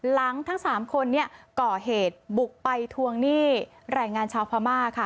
ทั้ง๓คนก่อเหตุบุกไปทวงหนี้แรงงานชาวพม่าค่ะ